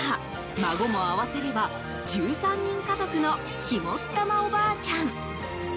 孫も合わせれば、１３人家族の肝っ玉おばあちゃん。